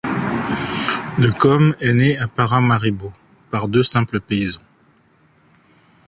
De Kom est né à Paramaribo par deux simples paysans.